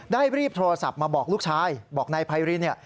รีบโทรศัพท์มาบอกลูกชายบอกนายไพรินเนี่ย